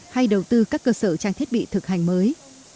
hay đầu tư các cơ sở trang thiết bị thực hành mới